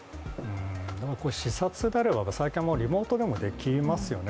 でも、視察であれば最近はリモートでもできますよね。